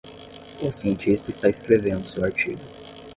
O cientista está escrevendo seu artigo.